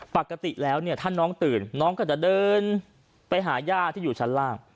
ปกติแล้วเนี่ยถ้าน้องตื่นน้องก็จะเดินไปหาย่าที่อยู่ชั้นล่าง